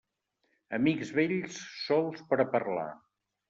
Amics vells, sols per a parlar.